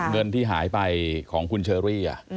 เงินที่หายไปของคุณเชอรี่